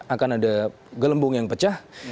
akan ada gelembung yang pecah